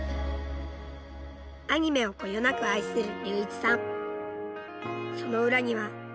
アニメをこよなく愛する隆一さん。